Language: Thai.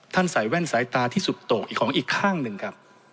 ใส่แว่นสายตาที่สุดโตอีกของอีกข้างหนึ่งครับ